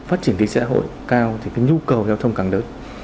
phát triển kỳ xã hội cao thì cái nhu cầu giao thông càng lớn